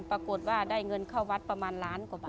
ปรากฏว่าได้เข้าวัดประมาณหลานกว่า